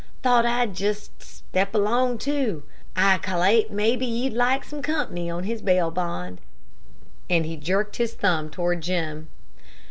"Thought I'd just step along, too. I cal'late mebbe you'd like comp'ny on his bail bond," and he jerked his thumb toward Jim.